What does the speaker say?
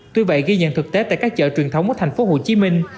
tuy vậy ghi nhận thực tế tại các chợ truyền thống ở thành phố hồ chí minh